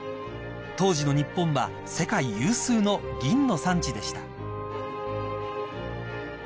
［当時の日本は世界有数の銀の産地でした］